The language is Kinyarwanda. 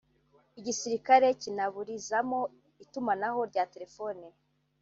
igisirikare kinaburizamo itumanaho rya telefoni